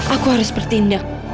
aku harus bertindak